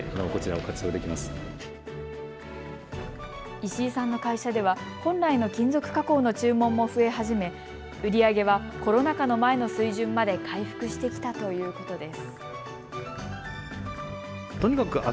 石井さんの会社では本来の金属加工の注文も増え始め売り上げはコロナ禍の前の水準まで回復してきたということです。